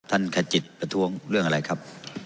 ขจิตประท้วงเรื่องอะไรครับ